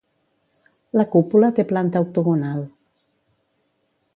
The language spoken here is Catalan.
La cúpula té planta octogonal.